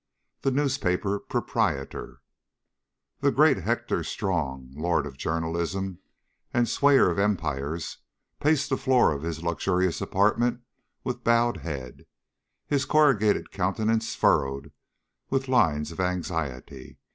THE NEWSPAPER PROPRIETOR The great Hector Strong, lord of journalism and swayer of empires, paced the floor of his luxurious apartment with bowed head, his corrugated countenance furrowed with lines of anxiety.